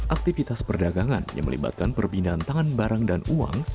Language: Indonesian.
aktivitas perdagangan yang melibatkan perbinaan tangan barang dan uang